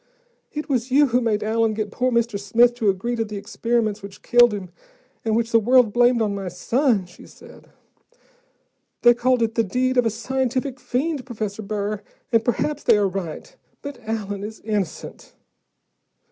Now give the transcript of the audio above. "It was you who made Allen get poor Mr. Smith to agree to the experiments which killed him, and which the world blamed on my son," she said. "They called it the deed of a scientific fiend, Professor Burr, and perhaps they are right. But Allen is innocent."